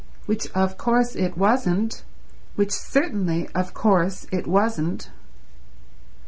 Which of course it wasn't; which certainly of course it wasn't.